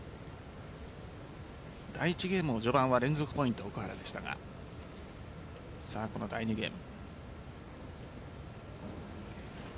第１ゲームの序盤は連続ポイント、奥原でしたがこの第２ゲーム。